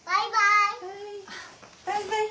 バイバイ。